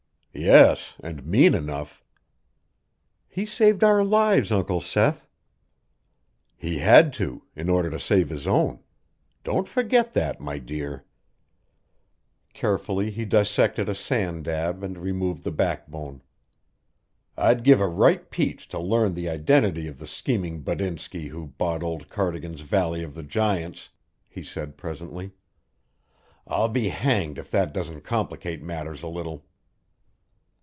"Yes, and mean enough." "He saved our lives, Uncle Seth." "He had to in order to save his own. Don't forget that, my dear." Carefully he dissected a sand dab and removed the backbone. "I'd give a ripe peach to learn the identity of the scheming buttinsky who bought old Cardigan's Valley of the Giants," he said presently. "I'll be hanged if that doesn't complicate matters a little."